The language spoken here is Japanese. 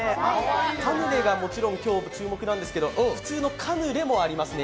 カヌレがもちろん今日、注目なんですけど普通のカヌレもありますね。